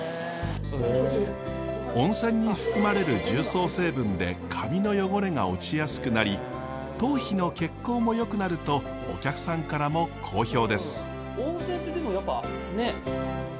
温泉に含まれる重曹成分で髪の汚れが落ちやすくなり頭皮の血行もよくなるとお客さんからも好評です。